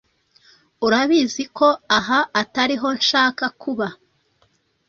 Urabizi ko aha atariho nshaka kuba.